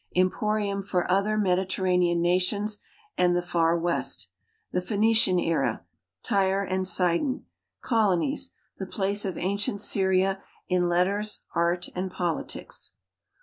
Emporium for other Mediterranean nations and the far West. The Phrenician era. Tyre and Sidon. Colonies. The place of ancient Syria in letters, art, and politics.